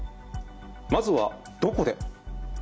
まずは「どこで」。